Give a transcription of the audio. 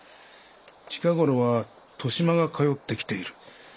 近頃は年増が通ってきている。